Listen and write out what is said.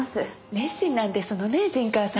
熱心なんですのね陣川さんは。